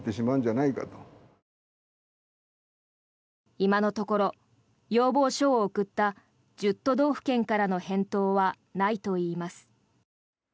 今のところ要望書を送った１０都道府県からの返答はないといいます。